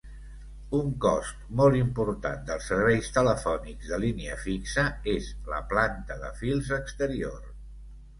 Un cost molt important dels serveis telefònics de línia fixa és la planta de fils exterior.